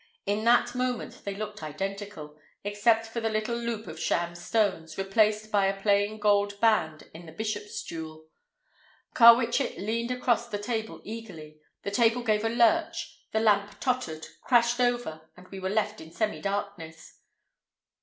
In that moment they looked identical, except for the little loop of sham stones, replaced by a plain gold band in the bishop's jewel. Carwitchet leaned across the table eagerly, the table gave a lurch, the lamp tottered, crashed over, and we were left in semidarkness.